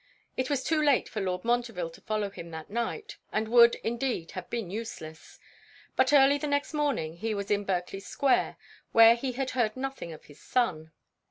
It was too late for Lord Montreville to follow him that night, and would, indeed, have been useless; but early the next morning he was in Berkley square, where he heard nothing of his son.